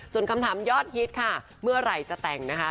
ส่วนคำถามยอดฮิตค่ะเมื่อไหร่จะแต่งนะคะ